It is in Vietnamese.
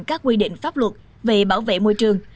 các quy định pháp luật về bảo vệ môi trường